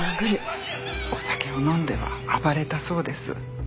お酒を飲んでは暴れたそうです。